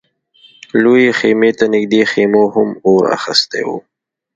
لويې خيمې ته نږدې خيمو هم اور اخيستی و.